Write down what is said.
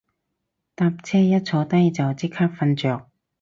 搭車一坐低就即刻瞓着